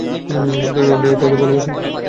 সুতরাং আপনিও তাদের ভালবাসুন।